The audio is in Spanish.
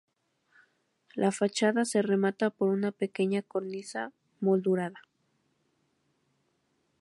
La fachada se remata por una pequeña cornisa moldurada.